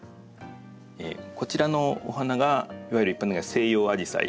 こちらのお花がいわゆる一般的には西洋アジサイ。